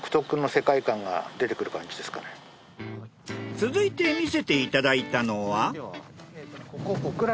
続いて見せていただいたのは。